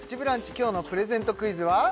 今日のプレゼントクイズは？